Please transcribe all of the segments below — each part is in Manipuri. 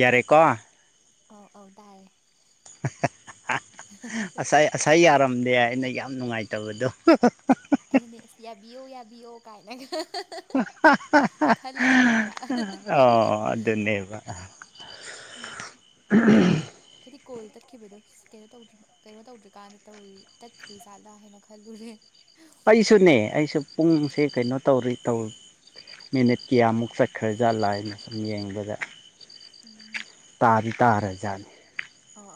ꯌꯥꯔꯦꯀꯣ ꯑꯥꯎ ꯑꯧ ꯇꯥꯔꯦ ꯁꯥꯏ ꯉꯁꯥꯏ ꯌꯥꯔꯝꯗꯦ ꯑꯩꯅ ꯌꯥꯝ ꯅꯨꯡꯉꯥꯏꯇꯕꯗꯣ ꯄꯕꯤꯌ ꯀꯥꯏꯅꯒ ꯈꯜꯂꯤꯅꯦ ꯍꯥꯏꯕ ꯑꯣ ꯑꯗꯨꯅꯦꯕ ꯎꯝ ꯎꯝ ꯗꯤ ꯀꯣꯜ ꯇꯠꯈꯤꯕꯗꯣ ꯀꯩꯅꯣ ꯇ꯭ꯔꯤꯕ ꯀꯩꯅꯣ ꯇꯧꯗ꯭ꯔꯤꯀꯥꯟꯗ ꯇꯧꯔꯤ ꯇꯠꯈ꯭ꯔꯤ ꯖꯥꯠꯂꯥ ꯍꯥꯏꯅ ꯈꯜꯂꯨꯔꯦ ꯑꯩꯁꯨꯅꯦ ꯑꯩꯁꯨ ꯄꯨꯡꯁꯦ ꯀꯩꯅꯣ ꯇꯧꯔꯤ ꯇꯧ ꯃꯤꯅꯤꯠ ꯀꯌꯥꯃꯨꯛ ꯆꯠꯈ꯭ꯔ ꯖꯠꯂꯥ ꯍꯥꯏꯅ ꯁꯨꯝ ꯌꯦꯡꯕꯗ ꯎꯝ ꯇꯥꯗꯤ ꯇꯥꯔꯦꯖꯥꯠꯅꯤ ꯑꯣ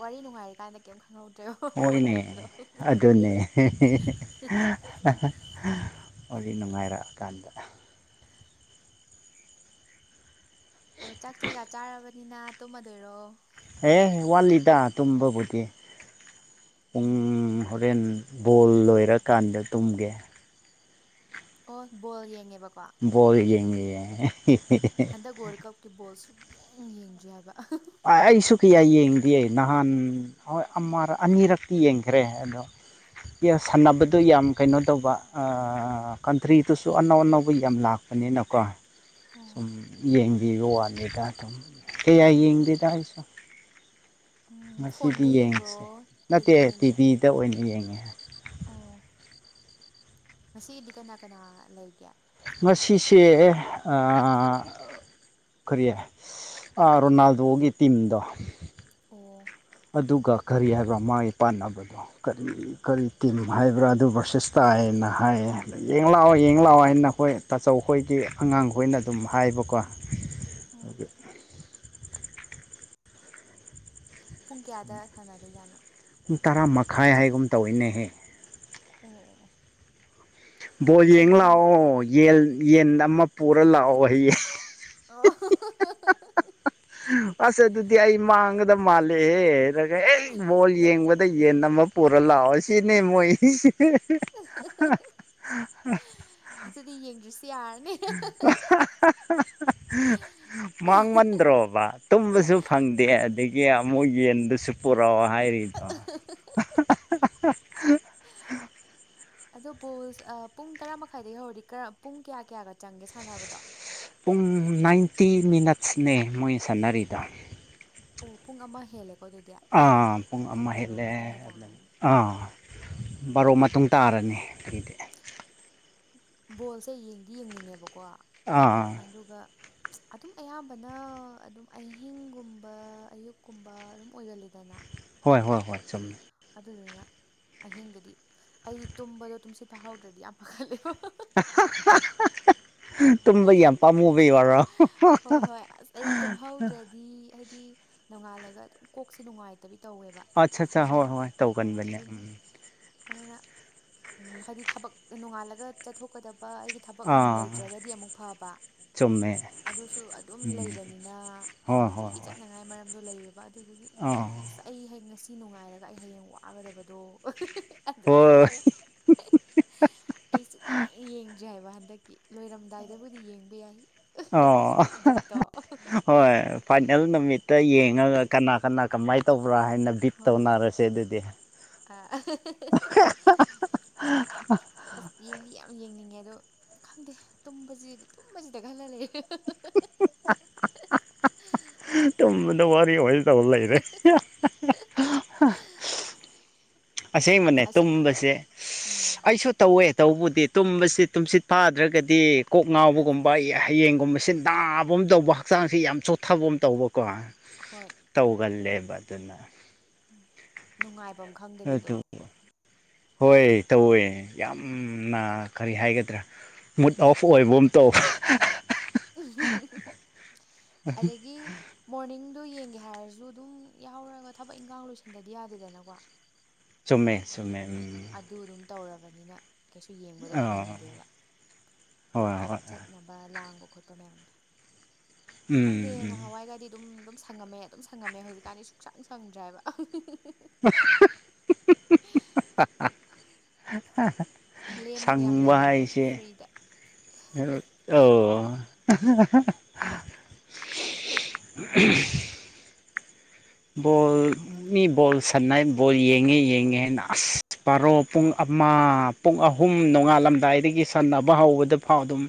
ꯋꯥꯔꯤ ꯅꯨꯡꯉꯥꯏꯔꯤ ꯀꯥꯟꯗ ꯀꯩꯝ ꯈꯪꯍꯧꯗ ꯍꯣꯏꯅꯦ ꯑꯗꯨꯅꯦ ꯍꯧ ꯅꯨꯡꯉꯥꯏꯔꯛꯑꯀꯥꯟꯗ ꯑꯣ ꯆꯥꯛ ꯆꯌꯥ ꯆꯥꯔꯕꯅꯤꯅ ꯇꯨꯝꯃꯗꯣꯏꯔꯣ ꯑꯦ ꯋꯥꯠꯂꯤꯗ ꯇꯨꯝꯕꯕꯨꯗꯤ ꯄꯨꯡ ꯎꯝ ꯍꯣꯔꯦꯟ ꯕꯣꯜ ꯂꯣꯏꯔꯀꯥꯟꯗ ꯇꯨꯝꯒꯦ ꯑꯣ ꯣꯜ ꯌꯦꯡꯒꯦ ꯕꯕꯥ ꯣꯜ ꯌꯦꯡꯒꯦ ꯍꯟꯗꯛ ꯋꯥꯔꯜ ꯀꯞꯀꯤ ꯕꯣꯜ ꯁꯨꯛ ꯌꯦꯡ ꯌꯦꯡꯗ꯭ꯔꯤ ꯍꯥꯏꯕ ꯑ ꯑꯩꯁꯨ ꯀꯌꯥ ꯌꯦꯡꯗꯦ ꯅꯍꯥꯟ ꯍꯣꯏ ꯑꯅꯤꯔꯛꯇꯤ ꯌꯦꯡꯈ꯭ꯔꯦ ꯑꯗꯣ ꯁꯥꯟꯅꯕꯗꯨ ꯌꯥꯝ ꯀꯩꯅꯣ ꯇꯧꯕ ꯀꯟꯇ꯭ꯔꯤꯗꯨꯁꯨ ꯑꯅꯧ ꯑꯅꯧꯕ ꯌꯥꯝ ꯂꯥꯛꯄ ꯅꯤꯅꯀꯣ ꯑꯣ ꯁꯨꯝ ꯌꯦꯡꯕꯤꯕ ꯋꯥꯅꯤꯗ ꯑꯗꯨꯝ ꯀ ꯌꯥꯏ ꯍꯣꯏ ꯇꯁ ꯎꯝ ꯉꯁꯤꯗꯤ ꯐꯣꯟꯗ ꯌꯦꯡꯕ꯭ꯔꯣ ꯌꯦꯡꯁꯦ ꯅꯠꯇꯦ ꯀꯩꯗꯒ ꯌꯦꯡꯒꯦ ꯇꯤꯚꯤꯗ ꯑꯣꯏꯅ ꯌꯦꯡꯉꯦ ꯑꯣ ꯉꯁꯤꯒꯤꯗꯤ ꯀꯅꯥ ꯀꯅꯥ ꯂꯩꯒꯦ ꯃ ꯁꯥꯟꯅꯕ ꯁꯤꯁꯦ ꯀꯔꯤꯌꯦ ꯔꯣꯅꯥꯜꯗꯣꯒꯤ ꯇꯤꯝꯗꯣ ꯑꯣ ꯑꯗꯨꯒ ꯀꯔꯤ ꯍꯥꯏꯕ ꯃꯥꯒꯤ ꯄꯥꯟꯅꯕꯗꯣ ꯀꯔꯤ ꯀꯔꯤ ꯇꯤꯝ ꯍꯥꯏꯕ꯭ꯔꯥ ꯑꯗꯨ ꯁꯤꯁ ꯇꯥꯏꯅ ꯍꯥꯏꯌꯦ ꯑꯗ ꯌꯦꯡ ꯂꯥꯛꯑꯣ ꯌꯦꯡ ꯂꯥꯛꯑꯣ ꯍꯥꯏꯅ ꯑꯩꯈꯣꯏ ꯇꯥꯆꯧ ꯈꯣꯏꯒꯤ ꯑꯉꯥꯡꯈꯣꯏꯅ ꯑꯗꯨꯝ ꯍꯥꯏꯕꯀꯣ ꯑꯥ ꯄꯨꯡ ꯀꯌꯥꯗ ꯁꯥꯟꯅꯗꯣꯏꯖꯅꯣ ꯄꯨꯡ ꯇꯔꯥ ꯃꯈꯥꯏ ꯍꯥꯏꯒꯨꯝ ꯇꯧꯋꯤꯅꯦꯍꯦ ꯑꯣ ꯕꯣ ꯌꯦꯡ ꯑꯩꯗꯤ ꯂꯥꯛꯑꯣ ꯌꯦꯟ ꯌꯦꯟ ꯑꯃ ꯄꯨꯔ ꯂꯥꯛꯑꯣ ꯍꯌꯦꯡ ꯑꯣ ꯑꯁꯦ ꯑꯗꯨꯗꯤ ꯑꯏ ꯃꯥꯡꯒꯗ ꯃꯥꯂꯦ ꯍꯦ ꯑꯗꯨꯒ ꯍꯦꯛ ꯕꯣꯜ ꯌꯦꯡꯕꯗ ꯌꯦꯟ ꯑꯃ ꯄꯨꯔ ꯂꯥꯛꯑꯣ ꯁꯤꯅꯤ ꯃꯣꯏ ꯑꯗꯨꯗꯤ ꯌꯦꯡꯗ꯭ꯔꯤꯁ [unintelligible] ꯃꯥꯡꯃꯟꯗ꯭ꯔꯣꯕ ꯇꯨꯝꯕꯁꯨ ꯐꯪꯗꯦ ꯑꯗꯒꯤ ꯑꯃꯨꯛ ꯌꯦꯟꯗꯨꯁꯨ ꯄꯨꯔꯛꯑꯣ ꯍꯥꯏꯔꯤꯗ ꯑꯗꯣ ꯕꯣꯜ ꯄꯨꯡ ꯇꯔꯥ ꯃꯈꯥꯏꯗꯒꯤ ꯍꯧꯔꯗꯤ ꯄꯨꯡ ꯀꯌꯥ ꯀꯌꯥꯒ ꯆꯪꯒꯦ ꯁꯥꯟꯅꯕꯗꯣ ꯄꯨꯡ ꯅꯥꯏꯟꯇꯤ ꯃꯤꯅꯠꯁꯅꯦ ꯃꯣꯏ ꯁꯥꯟꯅꯔꯤꯗ ꯑꯣ ꯄꯨꯡ ꯑꯃ ꯍꯦꯜꯂꯒꯦ ꯑꯥ ꯄꯨꯡ ꯑꯃ ꯍꯦꯜꯂꯦ ꯃꯇꯨꯡꯒ ꯑꯗꯨ ꯇꯥꯔꯅꯤ ꯑꯥ ꯕꯥꯔꯣ ꯎꯝ ꯃꯇꯨꯡ ꯇꯥꯔꯅꯤ ꯑꯗꯨꯇ ꯕꯣꯜꯁꯦ ꯌꯦꯡꯗꯤ ꯌꯦꯡꯅꯤꯡꯉꯦꯕꯀꯣ ꯑꯥ ꯑꯗꯨꯒ ꯑꯗꯨꯝ ꯑꯌꯥꯝꯕꯅ ꯑꯗꯨꯝ ꯑꯍꯤꯡꯒꯨꯝꯕ ꯑꯌꯨꯛꯀꯨꯝꯕ ꯑꯗꯨꯝ ꯑꯣꯏꯒꯜꯂꯤꯗꯅ ꯍꯣꯏ ꯍꯣꯏ ꯍꯣꯏ ꯆꯨꯝꯃꯦ ꯑꯗꯨꯗꯨꯅ ꯑꯍꯤꯡꯗꯗꯤ ꯑꯩ ꯇꯨꯝꯕꯗꯣ ꯇꯨꯝꯁꯤꯠꯄ ꯍꯧꯥꯎꯗ꯭ꯔꯗꯤ ꯌꯥꯝ ꯐꯥꯒꯠꯂꯦꯕ ꯇꯨꯝꯝꯕ ꯌꯥꯄꯥ ꯃꯨꯕ ꯋꯥꯔꯣ ꯍꯣꯏ ꯍꯣꯏ ꯑꯁ ꯑꯩ ꯇꯨꯝꯍꯧꯗ꯭ꯔꯗꯤ ꯍꯥꯏꯗꯤ ꯅꯣꯡꯉꯥꯜꯂꯒ ꯑꯗꯨꯝ ꯀꯣꯛꯁꯦ ꯅꯨꯡꯉꯥꯏꯇꯕꯤ ꯇꯧꯋꯦꯕ ꯑꯆꯥ ꯑꯆꯥ ꯐꯖꯅ ꯍꯣꯏ ꯍꯣꯏ ꯑꯥ ꯇꯧꯀꯥꯟꯕꯅꯤ ꯑꯗꯨꯅ ꯎꯝ ꯑꯗꯨꯅ ꯍꯥꯏꯗꯤ ꯊꯕꯛ ꯅꯣꯡꯉꯥꯜꯂꯒ ꯆꯠꯊꯣꯛꯀꯗꯕ ꯑꯩꯒꯤ ꯊꯕꯛ ꯅꯨꯡ ꯑꯥ ꯂꯩꯇ꯭ꯔꯒꯗꯤ ꯑꯃꯨꯛ ꯐꯕ ꯆꯨꯝꯃꯦ ꯑꯗꯨꯁꯨ ꯑꯗꯨꯝ ꯎꯝ ꯂꯩꯕꯅꯤꯅ ꯍꯣꯏ ꯍꯣꯏ ꯅꯨꯡꯇꯤꯒꯤ ꯍꯣꯏ ꯆꯠꯅꯉꯥꯏ ꯃꯔꯝꯗꯣ ꯂꯩꯌꯦꯕ ꯑꯗꯨꯗꯨꯒꯤ ꯑꯥ ꯑꯁ ꯑꯩ ꯍꯌꯦ ꯉꯁꯤ ꯅꯨꯡꯉꯥꯏꯔꯒ ꯑꯩ ꯍꯌꯦꯡ ꯋꯥꯒꯗꯕꯗꯣ ꯑꯗꯨ ꯍꯣꯏ ꯈꯜꯂꯒꯦ ꯑꯩ ꯁꯨꯛ ꯌꯦꯡ ꯌꯦꯡꯗ꯭ꯔꯤꯦ ꯍꯥꯏꯕ ꯍꯟꯗꯛꯀꯤ ꯂꯣꯏꯔꯝꯗꯥꯏꯗꯕꯨꯗꯤ ꯌꯦꯡꯕ ꯌꯥꯏ ꯍꯥꯏꯗꯤ ꯁꯨꯝ ꯑꯣ ꯕꯤꯠꯇꯣ ꯍꯣꯏ ꯐꯥꯏꯅꯦꯜ ꯅꯨꯃꯤꯠꯇ ꯌꯦꯡꯉ ꯀꯅꯥ ꯀꯅꯥ ꯀꯃꯥꯏꯅ ꯇꯧꯕ꯭ꯔꯥ ꯍꯥꯏ ꯕꯤꯞ ꯍꯣꯏ ꯇꯧꯅꯔꯁꯦ ꯑꯗꯨꯗꯤ ꯑꯥ ꯑꯁ ꯌꯦꯡꯗꯤ ꯌꯥꯝ ꯌꯦꯡꯅꯤꯡꯉꯦ ꯑꯗꯣ ꯈꯪꯗꯦ ꯇꯨꯝꯕꯁꯤ ꯇꯨꯝꯕꯁꯤꯗ ꯈꯜꯂꯂꯦ ꯇꯨꯝꯕꯗ ꯋꯥꯔꯤ ꯑꯣꯏꯅ ꯇꯕ ꯂꯩꯔꯦ ꯑꯁꯦꯡꯕꯅꯦ ꯑꯁ ꯇꯨꯝꯕꯁꯦ ꯎꯝ ꯑꯩꯁꯨ ꯇꯧꯋꯦ ꯇꯧꯕꯕꯨꯗꯤ ꯇꯨꯝꯕꯁꯤ ꯇꯨꯝꯁꯤꯠ ꯐꯥꯗ꯭ꯔꯒꯗꯤ ꯀꯣꯛ ꯉꯥꯎꯕꯒꯨꯝꯕ ꯍꯌꯦꯡꯒꯨꯝꯕꯕꯁꯤ ꯅꯥꯕꯒ ꯇꯧꯕ ꯍꯛꯆꯥꯡꯁ ꯌꯥꯝ ꯆꯣꯊꯕ ꯑꯃ ꯇꯧꯕꯀꯣ ꯍꯣꯏ ꯇꯧꯒꯜꯂꯦꯕ ꯑꯗꯨꯅ ꯅꯨꯡꯉꯥꯏꯐꯝ ꯈꯪꯗꯕꯤꯗꯣ ꯑꯗꯨ ꯍꯣꯏ ꯇꯧꯋꯦ ꯌꯥꯝꯅ ꯀꯔꯤ ꯍꯥꯏꯒꯗ꯭ꯔꯥ ꯃꯨꯠ ꯑꯣꯐ ꯑꯣꯏꯕ ꯇꯧ ꯎꯝ ꯑꯗꯒꯤ ꯃꯣꯔꯅꯤꯡ ꯑꯗꯨꯗꯣ ꯌꯦꯡꯒꯦ ꯍꯥꯏꯔꯁꯨ ꯑꯗꯨꯝ ꯌꯥꯎꯧꯔꯒ ꯊꯕꯛ ꯏꯪꯈꯥꯡ ꯂꯣꯏꯁꯤꯟꯗꯗꯤ ꯌꯥꯗꯦꯗꯅꯀꯣ ꯆꯃꯦ ꯑꯗꯨꯗꯨꯅ ꯆꯃꯦꯃꯦ ꯑꯗꯨ ꯑꯗꯨꯝ ꯇꯧꯔꯕꯅꯤꯅ ꯀꯩꯁꯨ ꯌꯦꯡꯕꯗꯣ ꯑꯥ ꯐꯪꯗꯦꯕ ꯍꯣꯏ ꯍꯣꯏ ꯆꯠꯅꯕ ꯂꯥꯡꯕ ꯈꯣꯠꯄ ꯃꯌꯥꯝꯗꯣ ꯎꯝ ꯈꯪꯗꯦ ꯎꯝ ꯅꯍꯥꯟꯋꯥꯏꯒꯗꯤ ꯑꯗꯨꯝꯝ ꯁꯪꯉꯝꯃꯦ ꯑꯗꯨꯝ ꯁꯪꯉꯝꯃꯦ ꯍꯧꯖꯤꯛꯀꯥꯟꯗꯤ ꯁꯨꯡꯛꯁꯪ ꯁꯪꯗ꯭ꯔꯦꯕ [unintelligible] ꯂꯦꯝꯃꯒ ꯌꯥꯝ ꯁꯪꯕ ꯍꯥꯏ ꯂꯩꯅꯤꯡꯉꯦ ꯏꯁꯦ ꯐ꯭ꯔꯤꯗ ꯑ [unintelligible] ꯕꯣꯜ ꯃꯤ ꯣꯜ ꯁꯥꯟꯅꯥ ꯣꯜ ꯌꯦꯡꯉꯦ ꯌꯦꯡꯉꯦ ꯑꯁ ꯄꯥꯔꯣ ꯄꯨꯡ ꯄꯨꯡ ꯑꯍꯨꯝ ꯅꯣꯡꯉꯥꯜꯂꯝꯗꯥꯏꯗꯒꯤ ꯁꯥꯟꯅꯕ ꯍꯧꯕꯗꯐꯥꯎ ꯑꯗꯨꯝ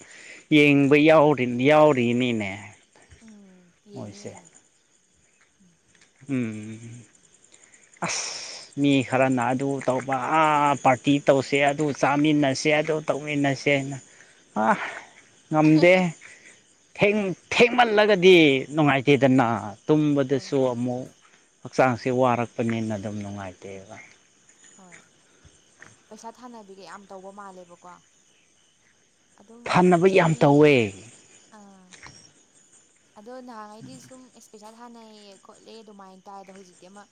ꯌꯦꯡꯕ ꯌꯥꯎ ꯌꯥꯎꯔꯤꯅꯤꯅꯦ ꯎꯝ ꯌꯦꯡꯉꯦ ꯃꯣꯏꯁꯦ ꯌꯦꯡꯉꯦ ꯎꯝ ꯎꯝ ꯑ ꯃꯤ ꯈꯔꯅ ꯑꯗꯨ ꯇꯧꯕ ꯑꯥ ꯄꯥꯔꯇꯤ ꯇꯧꯁꯦ ꯑꯗꯨ ꯆꯥꯃꯤꯟꯅꯁꯦ ꯑꯗꯨ ꯇꯧꯃꯤꯟꯅꯁꯦ ꯁꯦꯅ ꯍꯥ ꯉꯝꯗꯦ ꯊꯦꯡꯃꯜꯂꯒꯗꯤ ꯅꯨꯡꯉꯥꯏꯇꯦꯗꯅ ꯎꯝ ꯍꯣꯏ ꯇꯨꯝꯕꯗꯁꯨ ꯍꯣꯏ ꯑꯃꯨꯛ ꯍꯛꯆꯥꯡꯁꯦ ꯋꯥꯔꯛꯄꯅꯤꯅ ꯑꯗꯨꯝ ꯅꯨꯡꯉꯥꯏꯇꯦꯕ ꯍꯣꯏ ꯄꯩꯁꯥ ꯊꯥꯅꯕꯤꯒ ꯌꯥꯝ ꯇꯧꯕ ꯃꯥꯜꯂꯦꯕꯀꯣ ꯑꯗꯨꯝ ꯐꯅꯕ ꯁꯤ ꯌꯥꯝ ꯂꯝꯕꯤ ꯇꯧꯋꯦ ꯑꯥ ꯑꯗꯣ ꯅꯍꯥꯟꯉꯩꯗꯤ ꯁꯨꯝ ꯄꯩꯁꯥ ꯊꯥꯟꯅꯩꯌꯦ ꯈꯣꯠꯂꯦ ꯑꯗꯨꯃꯥꯏꯅ ꯇꯗ ꯍꯧꯖꯤꯛꯇꯤ ꯑꯃ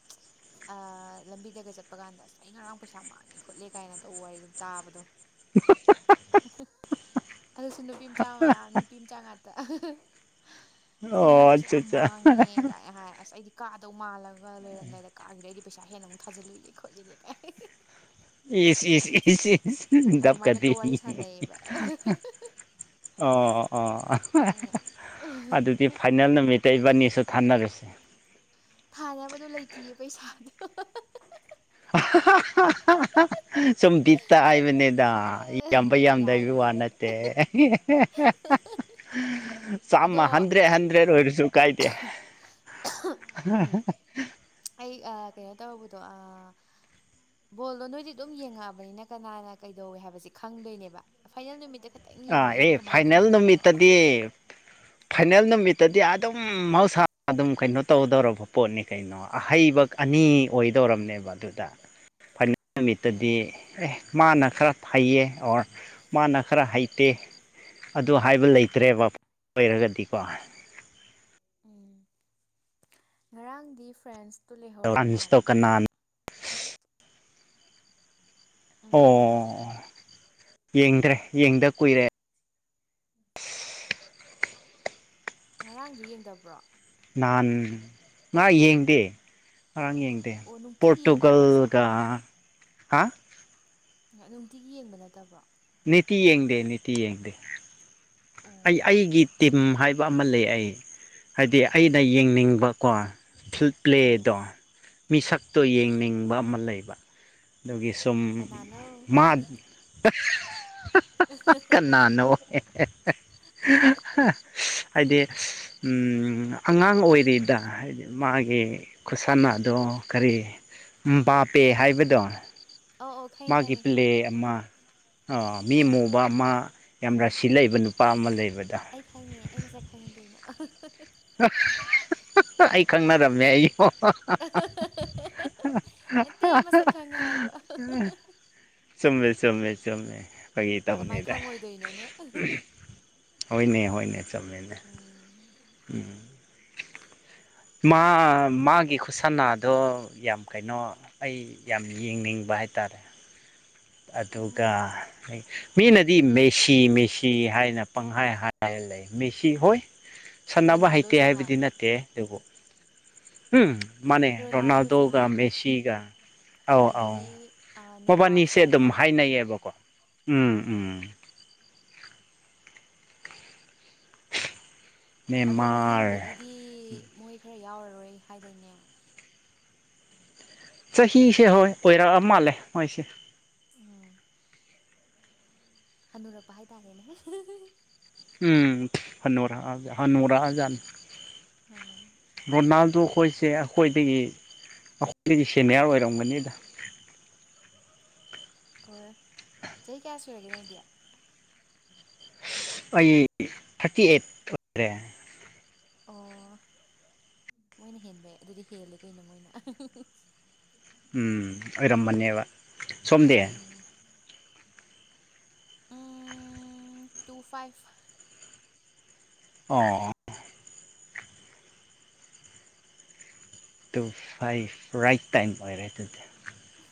ꯂꯝꯕꯤꯗꯒ ꯆꯠꯄ ꯀꯥꯟꯗ ꯑꯁ ꯑꯩ ꯉꯔꯥꯡ ꯄꯩꯁꯥ ꯃꯥꯡꯉꯦ ꯈꯣꯠꯂꯦ ꯀꯥꯏꯅ ꯇꯧ ꯋꯥꯔꯤ ꯑꯗꯨꯝ ꯇꯥꯕꯗꯣ ꯑꯗꯨꯁꯨ ꯅꯨꯄꯤ ꯃꯆꯥ ꯃꯌꯥꯝ ꯅꯨꯄꯤ ꯃꯆꯥ ꯉꯥꯛꯇ ꯑꯁ ꯑꯩ ꯉꯔꯥꯡ ꯑꯣ ꯄꯩꯁꯦ ꯑꯠꯆꯥ ꯌꯥꯝ ꯑꯠꯆꯥ ꯃꯥꯡꯉꯦ ꯀꯥꯏꯅ ꯍꯥꯏ ꯑꯁ ꯑꯩꯗꯤ ꯀꯥꯗꯧ ꯃꯥꯜꯂꯒ ꯂꯣꯏꯔꯝꯗꯥꯏꯗ ꯀꯥꯈꯤꯗꯩꯗꯤ ꯄꯁꯥ ꯍꯦꯟꯅ ꯑꯃꯨꯛ ꯊꯖꯤꯜꯂꯏꯅꯦ ꯈꯣꯠꯂꯤꯅꯦ ꯀ ꯏꯁꯤ ꯌꯦꯁꯤ ꯑꯗꯨꯃꯥꯏꯅꯒ ꯗꯞꯀꯗꯤ ꯋꯥꯔꯤ ꯁꯥꯟꯅꯩꯌꯦꯕ ꯑꯣ ꯑꯣ ꯑꯩꯅ ꯑꯗꯨꯗꯤ ꯐꯥꯏꯅꯦꯜ ꯅꯨꯃꯤꯠꯇ ꯏꯕꯥꯅꯤꯁꯨ ꯊꯥꯅꯔꯁꯦ ꯊꯥꯅꯕꯗꯣ ꯂꯩꯇꯌꯦ ꯄꯩꯁꯥꯗ ꯁꯨꯝ ꯕꯤꯠꯇ ꯍꯥꯏꯕꯅꯦꯗ ꯏ ꯌꯥꯝꯕ ꯌꯥꯝꯗꯒꯤ ꯌꯥꯏꯌꯦ ꯋꯥ ꯌꯥꯏꯌꯦ ꯅꯠꯇꯦ ꯑꯗꯣ ꯆꯃ ꯍꯟꯗ꯭ꯔꯦ ꯍꯟꯗ꯭ꯔꯦ ꯑꯣꯏꯔꯁꯨ ꯀꯥꯏ ꯇ ꯎꯝ ꯑꯩ ꯑ ꯀꯩꯅꯣ ꯇꯧꯕꯗꯣ ꯑ ꯕꯣꯜꯗꯣ ꯅꯣꯏꯗꯤ ꯑꯗꯨꯝ ꯌꯦꯡꯉꯛꯑꯕꯅꯤꯅ ꯀꯅꯥꯅ ꯀꯩꯗꯧꯋꯦ ꯍꯥꯏꯕꯕꯁꯤ ꯈꯪꯗꯣꯏꯅꯦꯕ ꯐꯥꯏꯅꯦꯜ ꯅꯨꯃꯤꯠꯇ ꯈꯤꯇꯪ ꯌꯦꯡꯕ ꯑꯥ ꯑꯦ ꯑꯩꯗꯤ ꯀꯃꯥꯏꯅ ꯐꯥꯏꯅꯦꯜ ꯈꯪꯗꯣꯏꯅꯣ ꯅꯨꯃꯤꯠꯇꯗꯤ ꯐꯥꯏꯅꯦꯜ ꯅꯨꯃꯤꯠ ꯇꯗꯤ ꯑꯗꯨꯝ ꯃꯍꯧꯁꯥ ꯑꯗꯨꯝ ꯀꯩꯅꯣ ꯇꯧꯗꯧꯔꯕ ꯄꯣꯠꯅꯤ ꯀꯩꯅꯣ ꯑꯍꯩꯕ ꯑꯅꯤ ꯑꯣꯏꯗ ꯧꯣꯔꯝꯅꯦꯕ ꯑꯗꯨꯗ ꯍꯣꯏ ꯅꯨꯃꯤꯠꯇꯗꯤ ꯑꯦ ꯃꯥꯅ ꯈꯔ ꯍꯩꯌꯦ ꯑꯣꯔ ꯃꯥꯅ ꯈꯔ ꯍꯩ ꯅꯠꯇꯦ ꯑꯗꯨ ꯍꯥꯏꯕ ꯂꯩꯇ꯭ꯔꯦꯕ ꯑꯣꯏꯔꯒꯗꯤꯀꯣ ꯎꯝ ꯉꯔꯥꯡꯗꯤ ꯐ꯭ꯔꯦꯟꯁ ꯟꯁꯇꯣ ꯀ ꯎꯝ ꯑꯣ ꯎꯝ ꯌꯦꯡꯗ꯭ꯔꯦ ꯌꯦꯡꯗ ꯀꯨꯏꯔꯦ ꯉꯔꯥꯡꯗꯨ ꯌꯦꯡꯗꯕ꯭ꯔꯣ ꯅꯍꯥꯟ ꯉ ꯌꯦꯡꯗꯦ ꯑꯔꯥꯡ ꯌꯦꯡꯗꯦ ꯑꯣ ꯅꯨꯡꯇꯤꯒꯤ ꯌꯦꯡꯗ꯭ꯔꯣ ꯍꯥꯏꯁꯦ ꯄꯣꯔꯇꯨꯒꯜꯒ ꯍꯥ ꯅꯨꯡꯇꯤꯒꯤ ꯌꯦꯡꯕ ꯅꯠꯇꯕ꯭ꯔꯣ ꯅꯤꯇꯤ ꯌꯦꯡꯗꯦ ꯅꯤꯇꯤ ꯌꯦꯡꯗꯦ ꯑꯣ ꯑꯩ ꯑꯩꯒꯤ ꯇꯤꯝ ꯍꯥꯏꯕ ꯑꯃ ꯂꯩ ꯑꯩ ꯍꯥꯏꯗꯤ ꯑꯩꯅ ꯌꯦꯡꯅꯤꯡꯕꯀꯣ ꯐꯤꯜ ꯑꯥꯎ ꯄ꯭ꯂꯦꯗꯣ ꯃꯤꯁꯛꯇꯣ ꯎꯝ ꯌꯦꯡꯅꯤꯡꯕ ꯑꯃ ꯂꯩꯕ ꯑꯗꯨꯒꯤ ꯇꯨꯝ ꯀꯅꯥꯅꯣ ꯃꯥ ꯍꯍꯍ ꯍ ꯍ ꯍ ꯀꯅꯥꯅꯣ ꯍꯦ ꯍꯍꯍ ꯍ ꯍꯥꯏꯗꯤ ꯎꯝ ꯑꯉꯥꯡ ꯑꯣꯏꯔꯤꯗ ꯍꯥꯏꯗꯤ ꯃꯥꯒꯤ ꯈꯨꯠꯁꯥꯟꯅꯗꯣ ꯑꯣ ꯀꯔꯤ ꯎꯝꯕꯥꯄꯦ ꯍꯥꯏꯕꯗꯣ ꯑꯧ ꯑꯧ ꯈꯪꯉꯦ ꯃꯥꯒꯤ ꯈꯪꯉꯦ ꯄ꯭ꯂꯦ ꯑꯃ ꯑ ꯃꯤ ꯑꯥ ꯃꯨꯕ ꯑꯃ ꯌꯥꯝ ꯔꯥꯁꯤ ꯂꯩꯕ ꯅꯨꯄꯥ ꯑꯃ ꯂꯩꯕ ꯑꯩ ꯈꯪꯉꯦ ꯑꯩ ꯃꯁꯛ ꯈꯪꯉꯤ ꯀꯩꯅꯣ ꯑꯍ ꯍ ꯍ ꯍ ꯍ ꯍꯍꯍ ꯍꯍ ꯑꯩ ꯈꯪꯅꯔꯝꯃꯦ ꯑꯩ ꯍ ꯍ ꯍ ꯅꯠꯇꯦ ꯃꯁꯛ ꯈꯪꯉꯦ ꯍꯥꯏꯕ ꯑ ꯍꯍ ꯍ ꯍ ꯆꯨꯝꯃꯦ ꯆꯨꯝꯃꯦ ꯆꯨꯝꯃꯦ ꯐꯥꯒꯤ ꯀꯃꯥꯏ ꯇꯧꯕꯅꯤꯗ ꯈꯪꯉꯣꯏꯗꯣꯏꯅꯣꯅꯦ ꯍꯣꯏꯅꯦ ꯍꯣꯏꯅꯦ ꯆꯨꯝꯃꯤꯅꯦ ꯎꯝ ꯎꯝ ꯃꯥ ꯃꯥꯒꯤ ꯈꯨꯠꯁꯥꯟꯅꯥꯗꯣ ꯌꯥꯝ ꯀꯩꯅꯣ ꯑꯩ ꯌꯥꯝ ꯌꯦꯡꯅꯤꯡꯕ ꯍꯥꯏ ꯇꯥꯔꯦ ꯑꯣ ꯑꯗꯨꯒ ꯑꯩ ꯃꯤꯅꯗꯤ ꯃꯦꯁꯤ ꯃꯦꯁꯤ ꯍꯥꯏꯅ ꯄꯪꯍꯥꯏ ꯍꯥꯏꯔ ꯂꯩ ꯃꯦꯁꯤ ꯍꯣꯏ ꯁꯥꯟꯅꯕ ꯍꯩꯇꯦ ꯔꯣꯅꯥꯜꯗꯣꯁꯨ ꯍꯥꯏ ꯍꯥꯏꯕꯗꯤ ꯅꯠꯇꯦ ꯑꯗꯨꯕꯨ ꯎꯝ ꯃꯥꯅꯦ ꯔꯣꯅꯥꯜꯗꯣꯁꯨ ꯔꯣꯅꯥꯜꯗꯣꯒ ꯍꯥꯏꯌꯦ ꯃꯦꯁꯤꯒ ꯑꯥꯎ ꯑꯥꯎ ꯑꯗꯒꯤ ꯃꯕꯥꯅꯤ ꯅꯦꯃꯥꯔꯁꯨ ꯁꯦ ꯑꯗꯨꯝ ꯍꯥꯏꯀꯣ ꯍꯥꯏꯅꯩꯌꯦꯕꯀꯣ ꯎꯝ ꯎꯝ ꯑꯗꯣ ꯅꯦꯃꯥꯔ ꯃꯊꯪꯗꯒꯤꯗꯤ ꯃꯣꯏ ꯈꯔ ꯌꯥꯎꯔꯔꯣꯏ ꯍꯥꯏꯗꯥꯏꯅꯦ ꯆꯍꯤꯁꯦ ꯍꯣꯏ ꯑꯣꯏꯔꯛꯑ ꯃꯥꯜꯂꯦ ꯃꯣꯏꯁꯦ ꯎꯝ ꯍꯟꯅꯨꯔꯛꯄ ꯍꯥꯏꯇꯥꯔꯦꯅꯦ ꯍꯍ ꯍ ꯎꯝ ꯍꯅꯨꯔꯛꯑ ꯍꯅꯨꯔꯛꯑꯖꯥꯠꯅꯤ ꯑꯣ ꯔꯣꯅꯥꯜꯗꯣ ꯈꯣꯏꯁꯦ ꯑꯩꯈꯣꯏꯗꯒꯤ ꯑꯩꯈꯣꯏꯗꯒꯤ ꯁꯦꯅꯤꯌꯥꯔ ꯑꯣꯏꯔꯝꯒꯅꯤꯗ ꯑꯣꯏ ꯆꯍꯤ ꯀꯌꯥ ꯁꯨꯨꯔꯒꯦ ꯅꯣꯏꯗꯤ ꯑꯩ ꯊꯥꯔꯇꯤ ꯑꯩꯠ ꯑꯣꯏꯔꯦ ꯑꯣ ꯃꯣꯏꯅ ꯍꯦꯟꯕꯩ ꯑꯗꯨꯗꯤ ꯍꯦꯜꯂꯦ ꯀꯩꯅꯣ ꯃꯣꯏꯅ ꯎꯝ ꯑꯣꯏꯔꯝꯕꯅꯦꯕ ꯁꯣꯝꯗꯤ ꯎꯝ ꯎꯝ ꯇꯨ ꯐꯥꯏꯚ ꯑꯣ ꯇꯨ ꯐꯥꯏꯚ ꯔꯥꯏꯠ ꯇꯥꯏꯝ ꯑꯣꯏꯔꯦ ꯇꯨꯗꯤ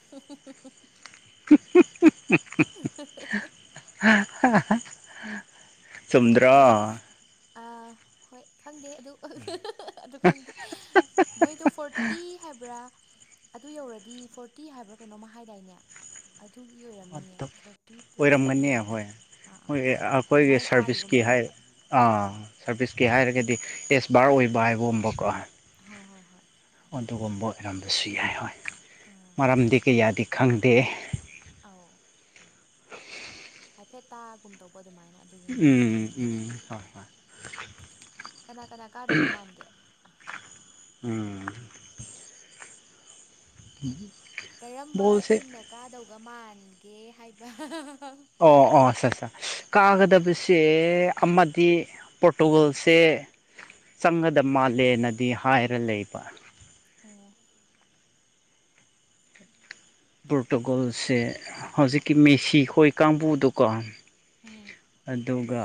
ꯍꯨꯡ ꯍꯨꯡ ꯍꯨꯡ ꯍꯨꯡ ꯑ ꯍꯍ ꯍ ꯍ ꯍ ꯑꯍ ꯍ ꯆꯨꯝꯗ꯭ꯔꯣ ꯑꯥ ꯍꯣꯏ ꯈꯪꯗꯦ ꯑꯗꯨ ꯑ ꯍꯍ ꯍ ꯍ ꯑꯗꯨ ꯈꯪꯗꯦ ꯃꯣꯏꯗꯣ ꯐꯣꯔꯇꯤ ꯍꯥꯏꯕ꯭ꯔꯥ ꯑꯗꯨ ꯌꯧꯔꯗꯤ ꯐꯣꯔꯇꯤ ꯍꯥꯏꯕ꯭ꯔꯥ ꯀꯩꯅꯣꯃ ꯍꯥꯏꯗꯥꯏꯅꯦ ꯑꯗꯨꯒꯤ ꯑꯣꯏꯔꯝꯅꯤꯌꯦ ꯐꯣꯔꯇꯤ ꯄ꯭ꯂꯁ ꯑꯣꯏꯗꯣꯏ ꯑꯣꯏꯔꯝꯒꯅꯤ ꯑꯣꯏꯔꯝꯅꯤ ꯑꯥ ꯑꯥ ꯑꯥ ꯑꯗꯨꯃꯥꯏꯅ ꯇꯥꯈꯤꯒꯨꯝ ꯁꯔꯚꯤꯁꯀꯤ ꯍꯥꯏ ꯇꯧꯋꯦꯕ ꯑꯥ ꯁꯔꯚꯤꯁꯀꯤ ꯍꯥꯏꯔꯒꯗꯤ ꯑꯦꯁꯕꯥꯔ ꯑꯣꯏꯕ ꯍꯥꯏꯕꯒꯨꯝꯕꯀꯣ ꯍꯣꯏ ꯍꯣꯏ ꯍꯣꯏ ꯑꯗꯨꯒꯨꯝꯕ ꯑꯣꯏꯔꯝꯕꯁꯨ ꯌꯥꯏ ꯍꯣꯏ ꯑꯥ ꯃꯔꯝꯗꯤ ꯀꯌꯥꯗꯤ ꯈꯪꯗꯦ ꯑꯥꯎ ꯍꯥꯏꯐꯦꯠꯇ ꯇꯥꯒꯨꯝꯗꯧꯕ ꯎꯝ ꯎꯝ ꯍꯣꯏ ꯀꯅꯥ ꯀꯅꯥ ꯍꯣꯏ ꯀꯥꯗꯧꯒ ꯃꯥꯟꯒꯦ ꯎꯍ ꯎꯝ ꯎꯝ ꯀꯔꯝꯕ ꯇꯤꯝꯅ ꯀꯥꯗꯧꯒ ꯃꯥꯟꯒꯦ ꯍꯥꯏꯕ ꯍꯥ ꯍꯥ ꯑꯣ ꯑꯣ ꯑꯠꯆꯥ ꯑꯠꯆꯥ ꯀꯥꯒꯗꯕꯁꯦ ꯑꯃꯗꯤ ꯄꯣꯔꯇꯨꯒꯜꯁꯦ ꯆꯪꯒꯗꯕ ꯃꯥꯜꯂꯦꯅꯗꯤ ꯍꯥꯏꯔ ꯂꯩꯕ ꯑꯣ ꯄꯣꯔꯇꯨꯒꯣꯜꯁꯦ ꯍꯧꯖꯤꯛꯀꯤ ꯃꯦꯁꯤ ꯍꯣꯏ ꯀꯥꯡꯕꯨꯗꯨꯀꯣ ꯎꯝ ꯑꯗꯨꯒ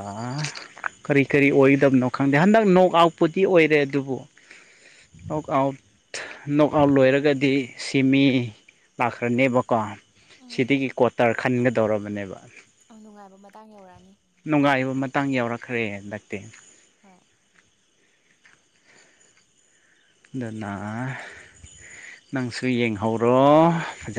ꯀꯔꯤ ꯀꯔꯤ ꯑꯣꯏꯗꯕꯅꯣ ꯈꯪꯗꯦ ꯍꯟꯗꯛ ꯅꯣꯛ ꯑꯥꯎꯠꯄꯨꯗꯤ ꯑꯣꯏꯔꯦ ꯑꯗꯨꯕꯨ ꯅꯣꯛ ꯑꯥꯎꯠ ꯅꯣꯛ ꯑꯥꯎꯠ ꯂꯣꯏꯔꯒꯗꯤ ꯁꯤꯃꯤ ꯂꯥꯛꯈ꯭ꯔꯅꯦꯕꯀꯣ ꯎꯝ ꯁꯤꯗꯒꯤ ꯀ꯭ꯋꯥꯇꯔ ꯈꯟꯒꯗꯧꯔꯕꯅꯦꯕ ꯑ ꯅꯨꯡꯉꯥꯏꯕ ꯃꯇꯥꯡ ꯌꯧꯔꯛꯑꯅꯤ ꯅꯨꯡꯉꯥꯏꯕ ꯃꯇꯥꯡ ꯌꯥꯎꯔꯛꯈ꯭ꯔꯦ ꯂꯛꯇꯦ ꯍꯣꯏ ꯑꯗꯨꯅꯥ ꯅꯪꯁꯨ ꯌꯦꯡꯍꯧꯔꯣꯖ